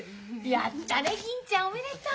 やったね銀ちゃんおめでとう！